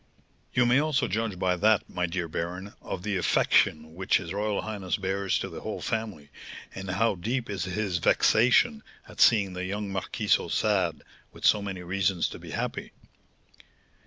"You may also judge by that, my dear baron, of the affection which his royal highness bears to the whole family, and how deep is his vexation at seeing the young marquis so sad, with so many reasons to be happy."